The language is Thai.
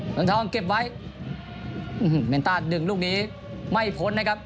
เมืองทองเก็บไว้เมนต้าดึงลูกนี้ไม่พ้นนะครับ